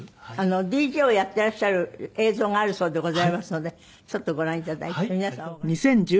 ＤＪをやってらっしゃる映像があるそうでございますのでちょっとご覧頂いて皆様ご覧ください。